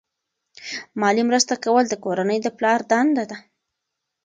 مالی مرسته کول د کورنۍ د پلار دنده ده.